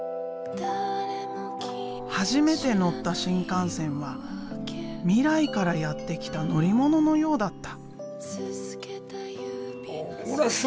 初めて乗った新幹線は未来からやって来た乗り物のようだった。